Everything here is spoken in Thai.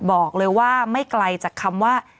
บอกเลยว่าไม่ไกลจากคำว่า